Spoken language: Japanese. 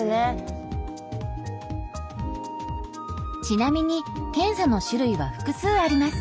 ちなみに検査の種類は複数あります。